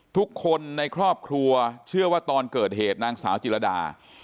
ทุกคนในครอบครัวเชื่อว่าตอนเกิดเหตุนางสาวจิรดา